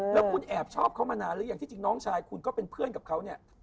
แล้วคุณแอบชอบเขามานานหรืออย่างที่จริงน้องชายคุณก็เป็นเพื่อนกับเขาเนี่ย